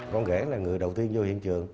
con ghế là người đầu tiên vô hiện trường